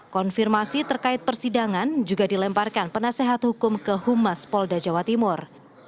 konfirmasi terkait persidangan juga dilemparkan penasehat hukum ke humas polda jawa timur